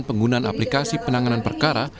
penggunaan aplikasi penanganan perkara